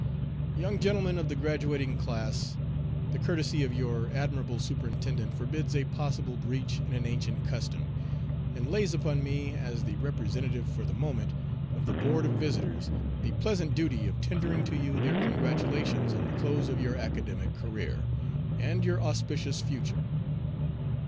YOUNG GENTLEMEN OF THE GRADUATING CLASS: The courtesy of your admirable Superintendent forbids a possible breach in an ancient custom, and lays upon me, as the representative, for the moment, of the Board of Visitors, the pleasant duty of tendering to you their congratulations on the close of your academic career, and your auspicious future.